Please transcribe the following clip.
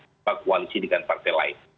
sebuah koalisi dengan partai lain